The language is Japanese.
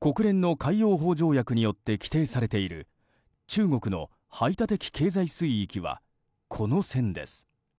国連の海洋法条約によって規定されている中国の排他的経済水域はこの線です。